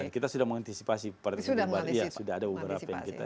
kita sudah mengantisipasi sudah ada beberapa yang kita